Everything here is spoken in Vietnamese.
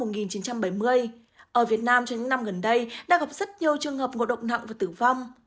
ở việt nam trong những năm gần đây đang gặp rất nhiều trường hợp ngộ độc nặng và tử vong